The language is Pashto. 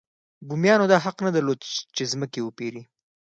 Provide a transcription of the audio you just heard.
بومیانو دا حق نه درلود چې ځمکې وپېري.